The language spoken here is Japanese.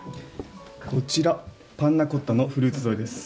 こちらパンナコッタのフルーツ添えです。